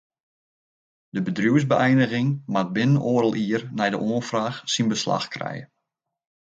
De bedriuwsbeëiniging moat binnen oardel jier nei de oanfraach syn beslach krije.